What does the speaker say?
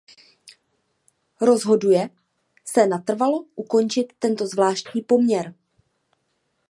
Rozhoduje se natrvalo ukončit tento zvláštní poměr.